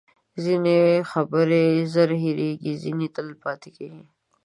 ځینې خبرې زر هیرېږي، ځینې تل پاتې کېږي.